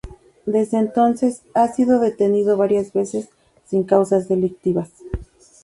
Desde entonces ha sido detenido varias veces sin causas delictivas.